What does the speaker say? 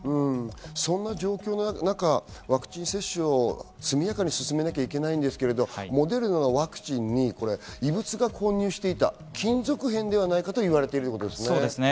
そんな状況の中、ワクチン接種を速やかに進めなきゃいけないんですけど、モデルナのワクチンに異物が混入していた、金属片ではないかと言われているんですね。